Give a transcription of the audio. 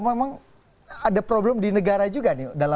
memang ada problem di negara juga nih